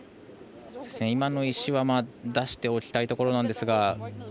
今の石は出しておきたいところですが。